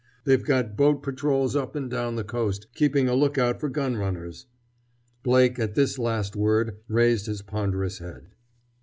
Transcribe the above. They've got boat patrols up and down the coast, keeping a lookout for gun runners!" Blake, at this last word, raised his ponderous head.